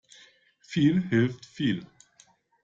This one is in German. Viel hilft viel.